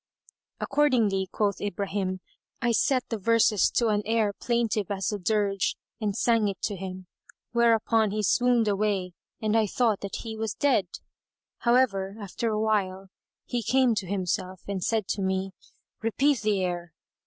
Accordingly, quoth Ibrahim, I set the verses to an air plaintive as a dirge and sang it to him; whereupon he swooned away and I thought that he was dead. However, after a while, he came to himself, and said to me, "Repeat the air."